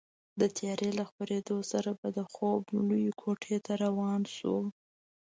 د تیارې له خپرېدو سره به د خوب لویې کوټې ته روان شوو.